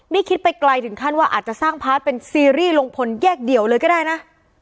นี่คิดไปไกลถึงขั้นว่าอาจจะสร้างพาร์ทเป็นซีรีส์ลุงพลแยกเดี่ยวเลยก็ได้นะ